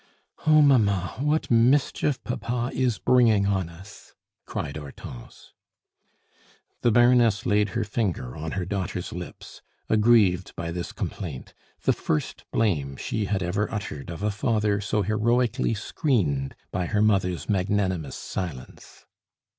"Oh, mamma, what mischief papa is bringing on us!" cried Hortense. The Baroness laid her finger on her daughter's lips, aggrieved by this complaint, the first blame she had ever uttered of a father so heroically screened by her mother's magnanimous silence.